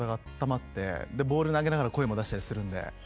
でボール投げながら声も出したりするんで。